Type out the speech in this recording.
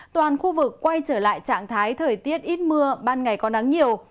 toàn khu vực quay trở lại trạng thái thời tiết ít mưa ban ngày có nắng nhiều